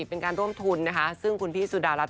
เป็นการร่วมทุนนะคะซึ่งคุณพี่สุดารัฐ